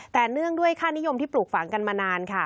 แต่เนื่องด้วยค่านิยมที่ปลูกฝังกันมานานค่ะ